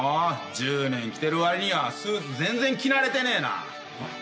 １０年着てるわりにはスーツ全然着慣れてねえな。